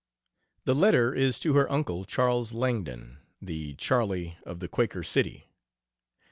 The letter is to her uncle Charles Langdon, the "Charlie" of the Quaker City.